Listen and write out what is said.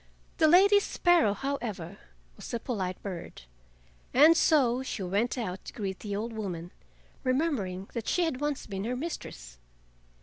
The Lady Sparrow, however, was a polite bird, and so she went out to greet the old woman, remembering that she had once been her mistress.